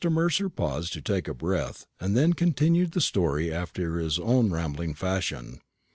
Mercer paused to take breath, and then continued the story after his own rambling fashion.